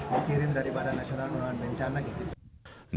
dikirim dari badan nasional mencana